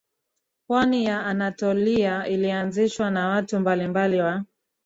pwani ya Anatolia ilianzishwa na watu mbalimbali wa